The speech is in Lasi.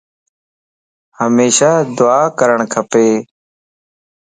ھميشا دعا ڪرڻ کپ